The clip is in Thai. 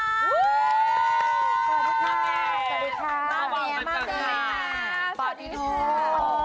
สวัสดีค่ะสวัสดีค่ะสวัสดีค่ะสวัสดีค่ะ